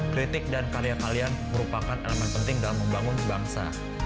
kritik dan karya kalian merupakan elemen penting dalam membangun bangsa